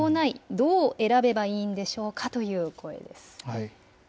どう選べばいいんでしょうかという声です。